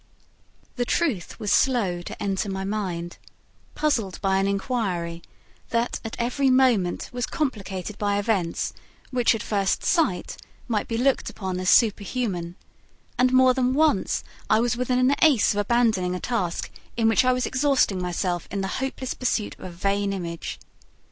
The truth was slow to enter my mind, puzzled by an inquiry that at every moment was complicated by events which, at first sight, might be looked upon as superhuman; and more than once I was within an ace of abandoning a task in which I was exhausting myself in the hopeless pursuit of a vain image.